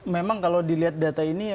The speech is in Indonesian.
memang kalau dilihat data ini